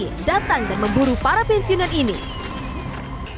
membuatnya menjadi seorang pahlawan yang sangat menarik